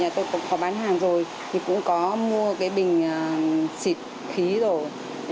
nhà tôi cũng có bán hàng rồi cũng có mua bình xịt khí rồi